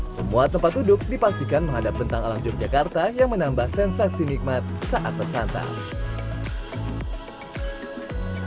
semua tempat duduk dipastikan menghadap bentang ala yogyakarta yang menambah sensasi nikmat saat bersantap